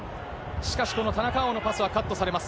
しかし、田中碧のパスはカットされます。